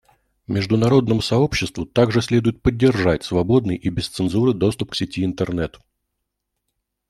Международному сообществу также следует поддержать свободный и без цензуры доступ к сети Интернет.